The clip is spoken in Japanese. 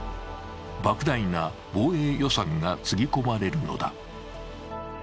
ばく大な防衛予算がつぎ込まれるのだ。